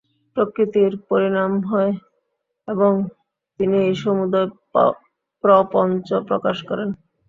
প্রকৃতির পরিণাম হয় এবং তিনি এই সমুদয় প্রপঞ্চ প্রকাশ করেন।